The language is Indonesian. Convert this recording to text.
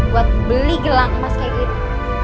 buat beli gelang emas kayak gitu